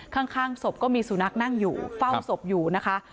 ข้างศพก็มีสุนัขนั่งอยู่เฝ้าศพอยู่นะคะ